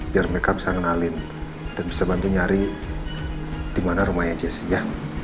biar mereka bisa ngenalin dan bisa bantu nyari di mana rumahnya jessi ya